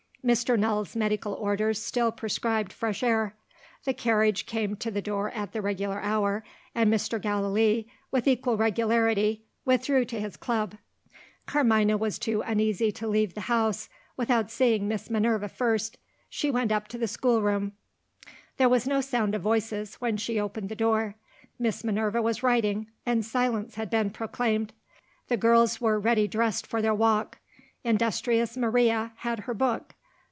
Mr. Null's medical orders still prescribed fresh air. The carriage came to the door at the regular hour; and Mr. Gallilee, with equal regularity, withdrew to his club. Carmina was too uneasy to leave the house, without seeing Miss Minerva first. She went up to the schoolroom. There was no sound of voices, when she opened the door. Miss Minerva was writing, and silence had been proclaimed. The girls were ready dressed for their walk. Industrious Maria had her book.